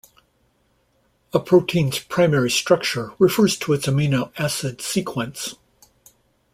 A protein's primary structure refers to its amino acid sequence.